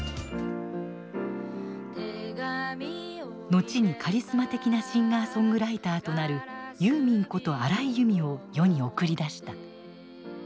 後にカリスマ的なシンガーソングライターとなるユーミンこと荒井由実を世に送り出した。